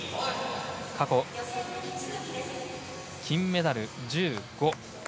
過去、金メダル１５。